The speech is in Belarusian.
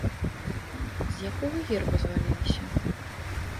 З якога герба зваліліся?